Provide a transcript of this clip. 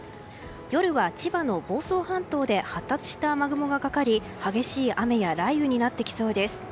夜は千葉の房総半島で発達した雨雲がかかり激しい雨や雷雨になってきそうです。